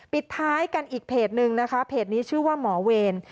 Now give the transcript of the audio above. ปิดท้ายกันอีกเพจนึงนะคะเพจนี้ชื่อว่าหมอเวร